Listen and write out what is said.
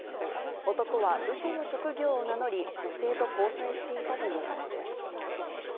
男はうその職業を名乗り、女性と交際していたということです。